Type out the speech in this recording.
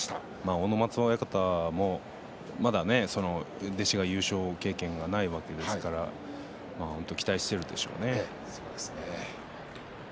阿武松親方も、まだ弟子が優勝経験がないわけですから期待しているでしょうね。